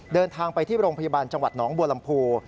เดินทางไปที่โรงพยาบาลจังหวัดหนองบัวลำพู